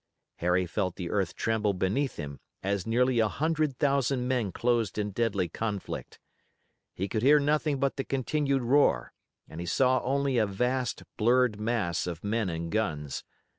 Harry felt the earth tremble beneath him as nearly a hundred thousand men closed in deadly conflict. He could hear nothing but the continued roar, and he saw only a vast, blurred mass of men and guns.